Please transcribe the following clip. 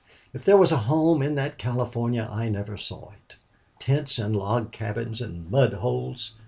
"If there was a home in that California, I never saw it. Tents and log cabins and mud holes!